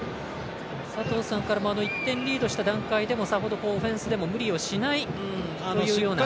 佐藤さんからも１点リードした段階でもさほどオフェンスでも無理をしないというような。